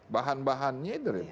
bahan bahannya dari mana